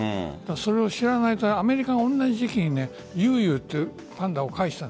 それを知らないアメリカが同じ時期にユウユウというパンダを返した。